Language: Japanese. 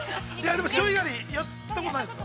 でも、潮干狩りやったことないんですか。